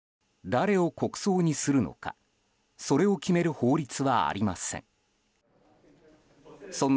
誰を国葬にするのかそれを決める法律はありません。